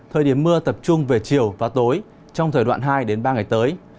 thời điểm mưa tập trung về chiều và tối trong thời đoạn hai ba ngày tới